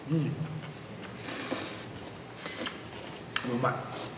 うまい。